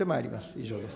以上です。